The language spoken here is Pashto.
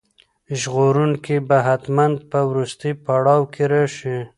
ژغورونکی به حتماً په وروستي پړاو کې راشي.